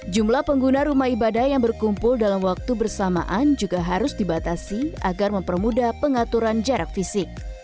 jumlah pengguna rumah ibadah yang berkumpul dalam waktu bersamaan juga harus dibatasi agar mempermudah pengaturan jarak fisik